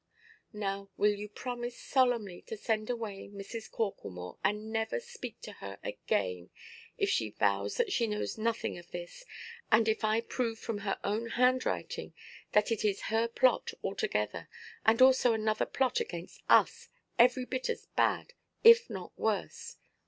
Now will you promise solemnly to send away Mrs. Corklemore, and never speak to her again, if she vows that she knows nothing of this, and if I prove from her own handwriting that it is her plot altogether, and also another plot against us, every bit as bad, if not worse?"